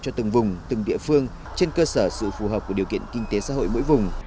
cho từng vùng từng địa phương trên cơ sở sự phù hợp của điều kiện kinh tế xã hội mỗi vùng